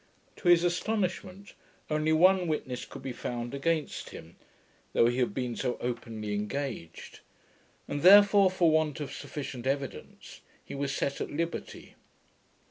To his astonishment, only one witness could be found against him, though he had been so openly engaged; and therefore, for want of sufficient evidence, he was set at liberty.